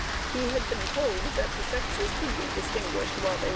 He had been told that the sexes could be distinguished while they were running.